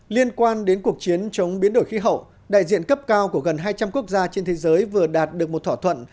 liên quan đến cuộc chiến chống biến đổi khí hậu đại diện cấp cao của gần hai trăm linh quốc gia trên thế giới vừa đạt được một thỏa thuận